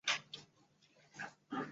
但此段史料的真实性待考。